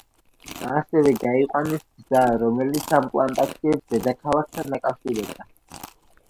ასევე გაიყვანეს გზა, რომელიც ამ პლანტაციებს დედაქალაქთან აკავშირებდა.